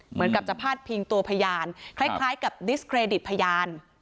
เหมือนกับจะพาดพิงตัวพยานคล้ายกับดิสเครดิตพยาน